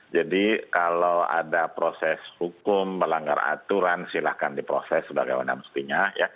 jadi kalau ada proses hukum melanggar aturan silahkan diproses sebagai wana mustinya